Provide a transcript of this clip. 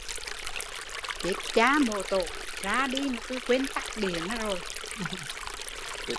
Chết cha mồ tổ, ra đi mà tui quên tắt điện rồi